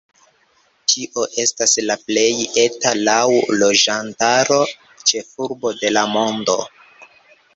Tio estas la plej eta laŭ loĝantaro ĉefurbo de la mondo.